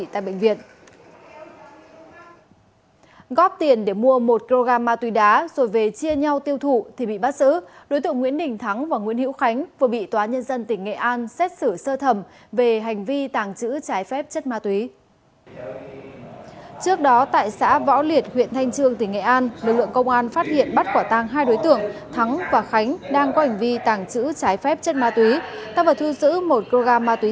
tòa nhân dân tỉnh nghệ an tuyên phạt nguyễn đình thắng và nguyễn hiễu khánh mỗi bị cáo một mươi tám năm tù cùng với tội tàng trữ trái phép chất ma túy